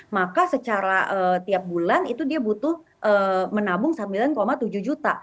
maka secara tiap bulan itu dia butuh menabung sembilan tujuh juta